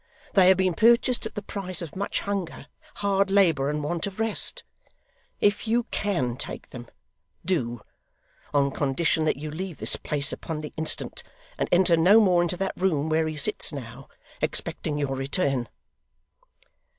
They have been purchased at the price of much hunger, hard labour, and want of rest. If you CAN take them do on condition that you leave this place upon the instant, and enter no more into that room, where he sits now, expecting your return.